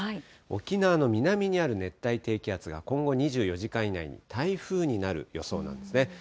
沖縄の南にある熱帯低気圧が今後２４時間以内に台風になる予想なんですね。